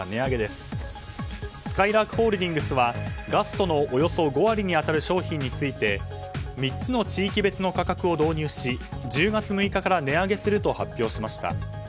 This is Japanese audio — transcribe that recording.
すかいらーくホールディングスはガストのおよそ５割に当たる商品について３つの地域別の価格を導入し１０月６日から値上げすると発表しました。